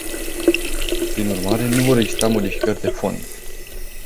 Prin urmare, nu vor exista modificări de fond.